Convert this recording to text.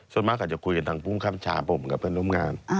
ส่วนมากก็จะคุยกันทางภูมิคับชาผมกับเพื่อนร่วมงาน